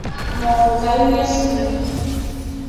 maọbụ ka ihe siri dị